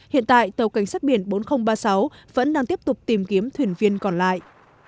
hiện tại tàu cảnh sát biển bốn nghìn ba mươi sáu vẫn đang tiếp tục tìm kiếm thuyền viên còn lại